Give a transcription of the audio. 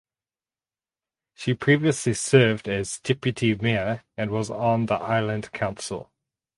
She previously served as Deputy Mayor and was on the Island Council.